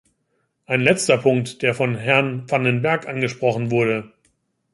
Ein letzter Punkt, der von Herrn van den Berg angesprochen wurde.